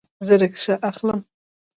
زه ریکشه اخلمه